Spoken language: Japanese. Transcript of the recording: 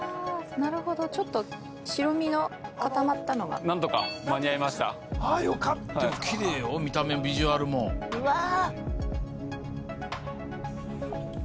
なるほどちょっと白身の固まったのがなんとか間に合いましたあっよかったきれいよ見た目ビジュアルもうわー